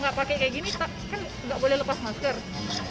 dan tidak memakai masker dengan berbagai alasan